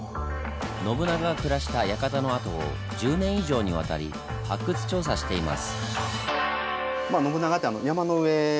信長が暮らした館の跡を１０年以上にわたり発掘調査しています。